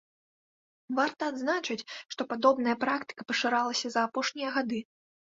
Варта адзначыць, што падобная практыка пашырылася за апошнія гады.